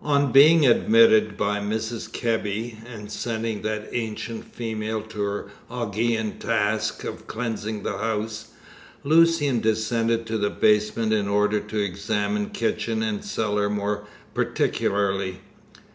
On being admitted again by Mrs. Kebby, and sending that ancient female to her Augean task of cleansing the house, Lucian descended to the basement in order to examine kitchen and cellar more particularly.